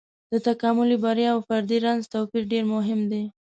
د تکاملي بریا او فردي رنځ توپير ډېر مهم دی.